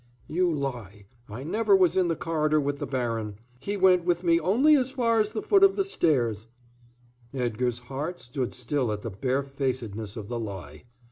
"You lie. I never was in the corridor with the baron. He went with me only as far as the foot of the stairs " Edgar's heart stood still at the barefacedness of the lie.